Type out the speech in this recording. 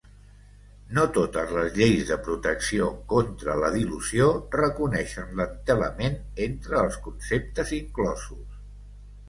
No totes les lleis de protecció contra la dilució reconeixen l'entelament entre els conceptes inclosos.